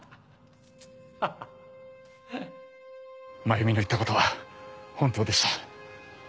ハハッ真弓の言ったことは本当でした。